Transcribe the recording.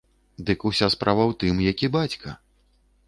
Дык уся справа ў тым, які бацька.